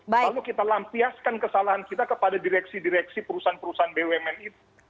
lalu kita lampiaskan kesalahan kita kepada direksi direksi perusahaan perusahaan bumn itu